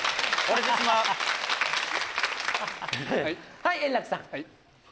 はい円楽さん。